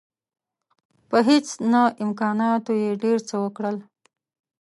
په هیڅ نه امکاناتو یې ډېر څه وکړل.